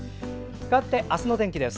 かわって明日の天気です。